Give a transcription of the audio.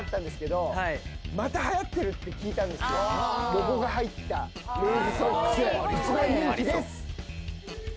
ロゴが入ったルーズソックス一番人気です。